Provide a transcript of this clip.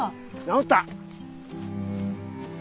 治った！